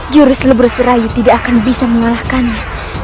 jurus lebur serayu tidak akan bisa mengalahkannya